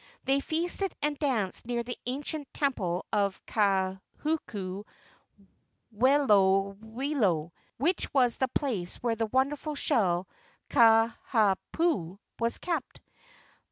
They feasted and danced near the ancient temple of Kahuku welo welo, which was the place where the wonderful shell, Kiha pu, was kept.